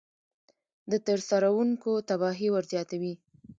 د ترسروونکي تباهي ورزیاتوي.